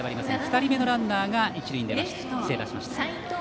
２人目のランナーが一塁に出ました。